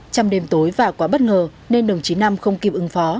trong đêm tối và quá bất ngờ nên đồng chí nam không kịp ứng phó